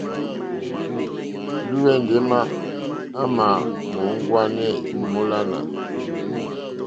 Lwɛ̌ndì émá à mà mòóŋwánê èmólánà.